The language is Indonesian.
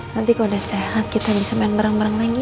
nanti kalau udah sehat kita bisa main bareng bareng lagi